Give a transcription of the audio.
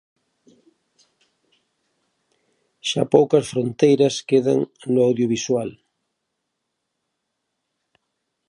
Xa poucas fronteiras quedan no audiovisual.